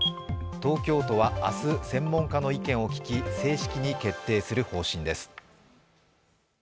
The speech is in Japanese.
東京都は明日、専門家の意見を聞き正式に決定する方針です。